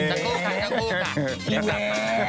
อันท่านใจมีใคร